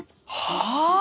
はあ！？